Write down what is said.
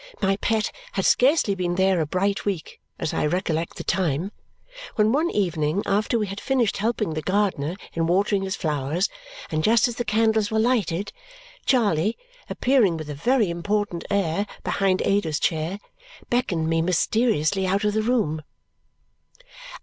My pet had scarcely been there a bright week, as I recollect the time, when one evening after we had finished helping the gardener in watering his flowers, and just as the candles were lighted, Charley, appearing with a very important air behind Ada's chair, beckoned me mysteriously out of the room.